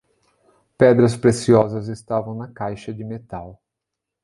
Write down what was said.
Pedras preciosas estavam na caixa de metal.